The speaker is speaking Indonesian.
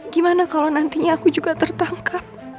gimana kalau nantinya aku juga tertangkap